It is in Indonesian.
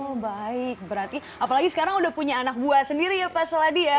oh baik berarti apalagi sekarang udah punya anak buah sendiri ya pak seladi ya